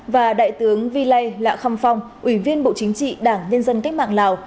và đại tướng vi lây lạ khăm phong ủy viên bộ chính trị đảng nhân dân cách mạng lào